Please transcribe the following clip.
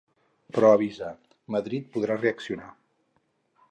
Però avisa: Madrid podrà reaccionar.